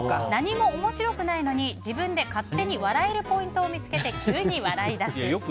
何も面白くないのに自分で勝手に笑えるポイントを見つけて、急に笑い出す。